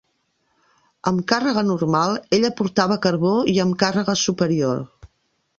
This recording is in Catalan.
Amb càrrega normal ella portava carbó, i amb càrrega superior.